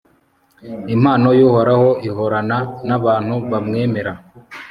impano y'uhoraho ihorana n'abantu bamwemera